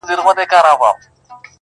خلکو اسلام دی درته راغلی -